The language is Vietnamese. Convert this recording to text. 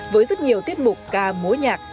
với rất nhiều tiết mục ca mối nhạc